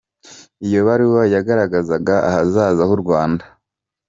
Iyo baruwa yagaragazaga ahazaza h’u Rwanda.